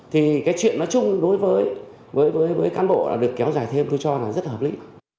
thì cái chuyện nói chung đối với cán bộ được kéo dài thêm tôi cho là rất hợp lý